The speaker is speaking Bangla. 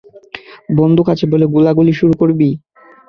বন্দুক আছে বলে গোলাগুলি শুরু করবি?